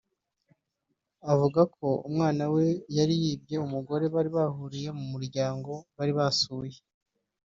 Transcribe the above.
Avuga ko umwana we yari yibwe n’umugore bahuriye mu muryango bari basuye